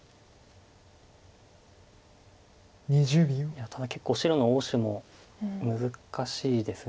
いやただ結構白の応手も難しいです